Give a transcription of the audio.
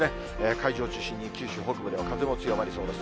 海上中心に九州北部では風も強まりそうです。